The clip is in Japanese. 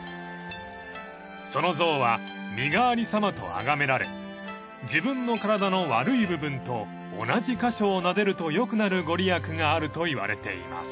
［その像は身代わりさまとあがめられ自分の体の悪い部分と同じ箇所をなでると良くなる御利益があるといわれています］